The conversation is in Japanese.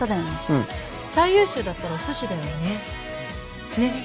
うん最優秀だったらお寿司だよねねっ？